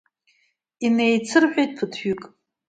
Инеицырҳәеит ԥыҭҩык.